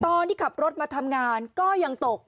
ตอนที่ขับรถมาทำงานก็ยังตก